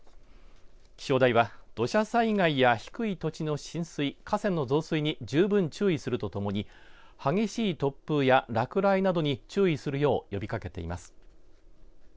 気象台は土砂災害や低い土地の浸水河川の増水に十分注意するとともに激しい突風や落雷などに注意するよう呼びかけています。